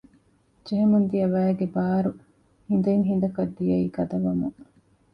ޖެހެމުންދިޔަ ވައިގެ ބާރު ހިނދެއް ހިނދަކަށް ދިޔައީ ގަދަވަމުން